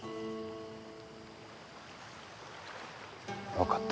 分かった。